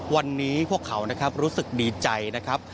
วันนี้พวกเขานะครับรู้สึกดีใจนะครับ